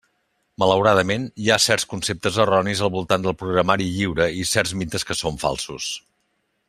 Malauradament, hi ha certs conceptes erronis al voltant del programari lliure i certs mites que són falsos.